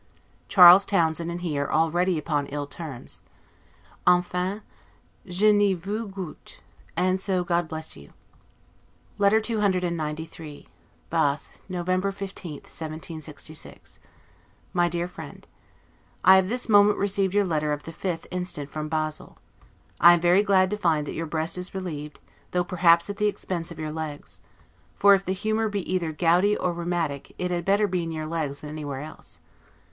Charles Townshend and he are already upon ill terms. 'Enfin je n'y vois goutte'; and so God bless you! LETTER CCXCIII BATH, November 15, 1766. MY DEAR FRIEND: I have this moment received your letter of the 5th instant from Basle. I am very glad to find that your breast is relieved, though perhaps at the expense of your legs: for, if the humor be either gouty or rheumatic, it had better be in your legs than anywhere else.